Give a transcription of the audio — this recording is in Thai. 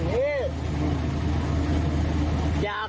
นิดหน่อย